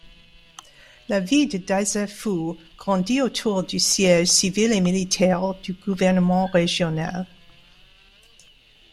La ville de Dazaifu grandit autour du siège civil et militaire du gouvernement régional.